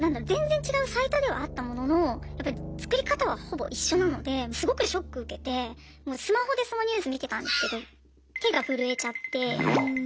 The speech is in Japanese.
全然違うサイトではあったものの作り方はほぼ一緒なのですごくショック受けてスマホでそのニュース見てたんですけど手が震えちゃって。